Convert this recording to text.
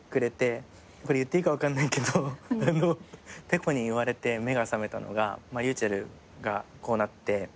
これ言っていいか分かんないけどｐｅｃｏに言われて目が覚めたのがｒｙｕｃｈｅｌｌがこうなって。